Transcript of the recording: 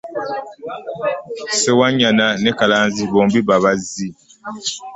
Ssewannyana ne Kalanzi bombi babazzi.